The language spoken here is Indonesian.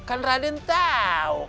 kan raden tau